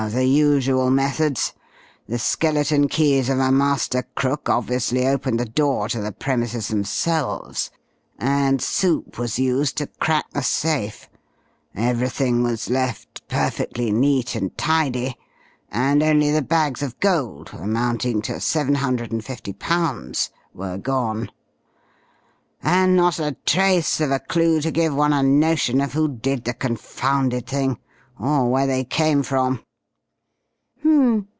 "Oh, the usual methods. The skeleton keys of a master crook obviously opened the door to the premises themselves, and soup was used to crack the safe. Everything was left perfectly neat and tidy and only the bags of gold amounting to seven hundred and fifty pounds were gone. And not a trace of a clue to give one a notion of who did the confounded thing, or where they came from!" "Hmm.